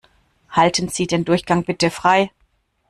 Halten Sie den Durchgang bitte frei!